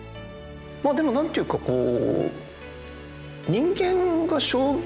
まあでもなんていうかこう。